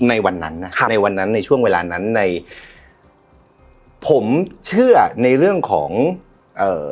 ในวันนั้นนะครับในวันนั้นในช่วงเวลานั้นในผมเชื่อในเรื่องของเอ่อ